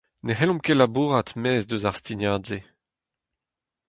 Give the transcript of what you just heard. Ne c'hellomp ket labourat e-maez eus ar stignad-se.